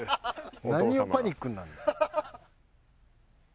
何をパニックになるの。